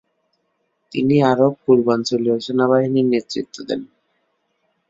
তিনি আরব পূর্বাঞ্চলীয় সেনাবাহিনীর নেতৃত্ব দেন।